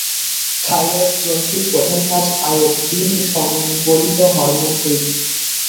Thyroid গ্রন্থির প্রধান কাজ আয়োডিন সংবলিত হরমোন তৈরি।